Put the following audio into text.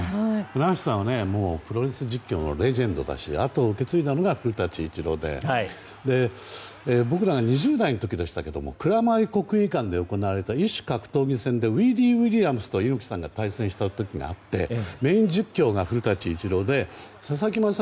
舟橋さんはプロレス実況のレジェンドだし後を受け継いだのが古舘伊知郎で僕らが２０代の時でしたけども蔵前国技館で行われた異種格闘技戦でウィーリー・ウィリアムスと猪木さんが対戦した時メイン実況が古舘でリポーターが佐々木アナ